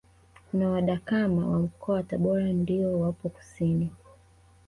Kuna wadakama wa Mkoa wa Tabora ndio wapo kusini